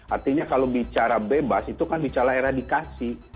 artinya kalau bicara bebas itu kan bicara eradikasi